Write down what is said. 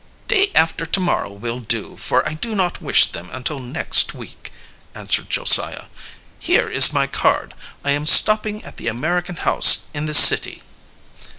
"Day after tomorrow will do, for I do not wish them until next week," answered Josiah. "Here is my card. I am stopping at the American House in this city."